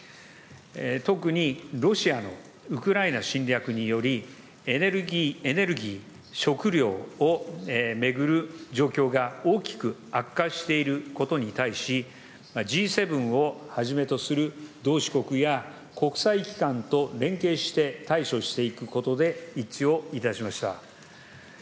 特にロシアのウクライナ侵略により、エネルギー、食料を巡る状況が大きく悪化していることに対し、Ｇ７をはじめとする同志国や国際機関と連携して対処していくことで一致をいたしました。